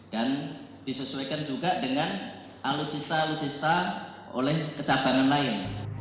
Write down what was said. dan disesuaikan juga dengan alutsista alutsista oleh kecabangan lain